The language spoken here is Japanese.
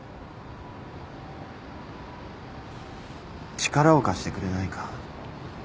力を貸してくれないか？